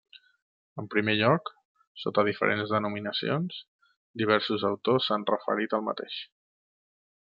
En primer lloc, sota diferents denominacions, diversos autors s'han referit al mateix.